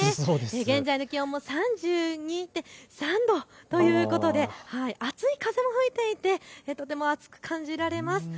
現在の気温も３２．３度ということで、熱い風も吹いていてとても暑く感じられます。